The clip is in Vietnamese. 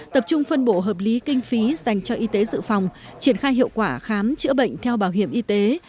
tập trung phân bộ hợp lý kinh phí dành cho y tế dự phòng triển khai hiệu quả khám chữa bệnh theo bảo hiểm y tế